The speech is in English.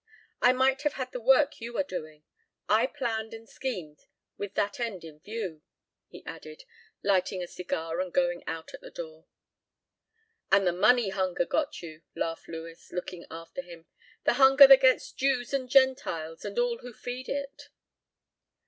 "I might have had the work you are doing. I planned and schemed with that end in view," he added, lighting a cigar and going out at the door. "And the money hunger got you," laughed Lewis, looking after him, "the hunger that gets Jews and Gentiles and all who feed it."